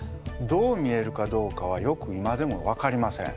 どう見えるかどうかはよく今でもわかりません。